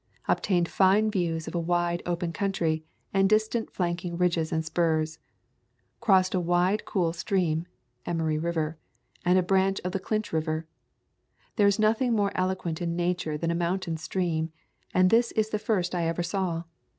Obtained fine views of a wide, open country, and distant flanking ridges and spurs. Crossed a wide cool stream [Emory River], a branch of the Clinch River. There is nothing more eloquent in Nature than a mountain stream, and this is the first I ever saw.